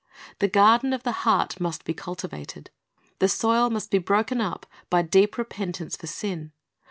The garden of the heart must be cultivated. The soil must be broken up by deep repentance for sin.